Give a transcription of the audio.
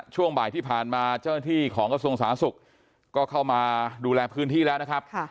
ช่วงบ่ายที่ผ่านมาเจ้าหน้าที่ของกระทรวงสาธารณสุขก็เข้ามาดูแลพื้นที่แล้วนะครับ